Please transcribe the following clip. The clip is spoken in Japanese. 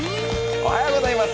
おはようございます。